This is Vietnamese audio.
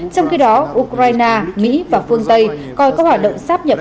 trong khi đó ukraine mỹ và phương tây coi các hoạt động sáp nhập